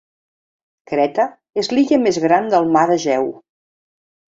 Creta és l'illa més gran del mar Egeu.